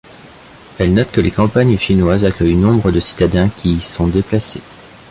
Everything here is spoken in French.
Elle note que les campagnes chinoises accueillent nombre de citadins qui y sont déplacés.